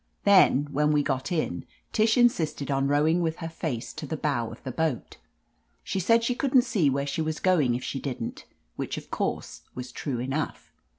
Then when we got in, Tish insisted on rowing with her face to the bow of the boat. She said she couldn't see where she was going if she didn't, which, of course, was true enough.